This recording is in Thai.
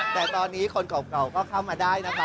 แต่ตอนนี้คนเก่าก็เข้ามาได้นะคะ